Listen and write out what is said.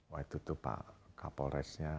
waktu itu pak kapolresnya